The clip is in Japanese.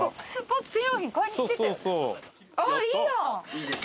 いいです